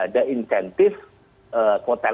ada intensif kota